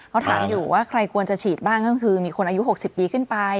เขาถามอยู่ว่าใครควรจะฉีดบ้างก็คือมีคนอายุ๖๐ปีขึ้นไป